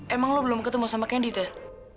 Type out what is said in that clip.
emang lo belum ketemu sama candy ter